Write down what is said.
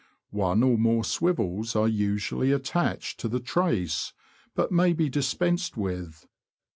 One or more swivels are usually attached to the trace, but may be dispensed with.